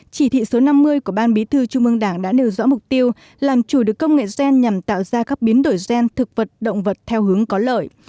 chỉ thị số năm mươi của ban bí thư trung mương đảng đã nêu rõ mục tiêu làm chủ được công nghệ gen nhằm tạo ra các biến đổi gen thực vật động vật theo hướng có lợi